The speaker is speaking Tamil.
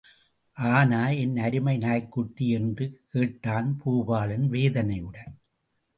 ஆனா என் அருமை நாய்க்குட்டி...? என்று கேட்டான் பூபாலன் வேதனையுடன்.